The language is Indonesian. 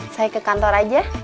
saya ke kantor aja